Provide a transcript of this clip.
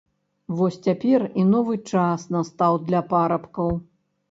Вось цяпер і новы час настаў для парабкаў!